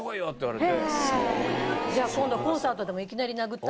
じゃあ今度コンサートでもいきなり殴ってあげる。